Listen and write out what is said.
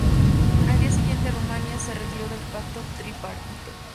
Al día siguiente, Rumanía se retiró del Pacto Tripartito.